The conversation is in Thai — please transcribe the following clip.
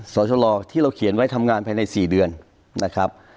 สชลที่เราเขียนไว้ทำงานภายใน๔เดือนนะครับ